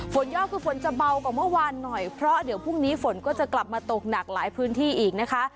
ยอดคือฝนจะเบากว่าเมื่อวานหน่อยเพราะเดี๋ยวพรุ่งนี้ฝนก็จะกลับมาตกหนักหลายพื้นที่อีกนะคะ